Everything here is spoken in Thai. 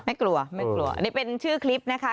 ไม่กลัวนี่เป็นชื่อคลิปนะคะ